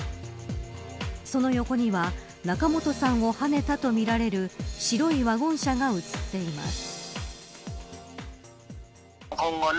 その横には仲本さんをはねたとみられる白いワゴン車が写っています。